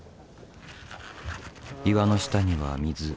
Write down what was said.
岩の下には水。